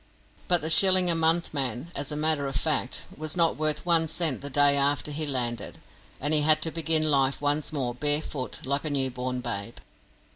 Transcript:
But the "Shilling a month" man, as a matter of fact, was not worth one cent the day after he landed, and he had to begin life once more barefoot, like a new born babe.